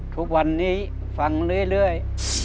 ทุกวันนี้ฟังเรื่อย